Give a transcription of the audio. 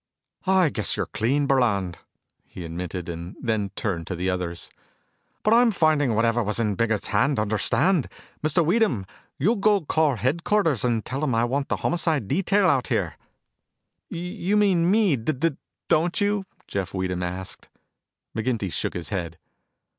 "I guess you're clean, Burland," he admitted, and then turned to the others. "But I'm finding whatever was in Biggert's hand, understand? Mr. Weedham, you'll go call headquarters and tell them I want the Homicide Detail out here." "You mean me, d d don't you?" Jeff Weedham asked. McGinty shook his head.